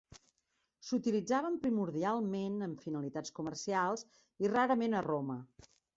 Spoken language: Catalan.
S'utilitzaven primordialment amb finalitats comercials, i rarament a Roma.